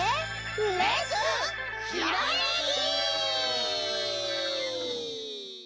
「レッツ！ひらめき」！